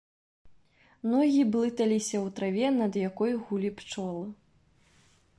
Ногі блыталіся ў траве, над якой гулі пчолы.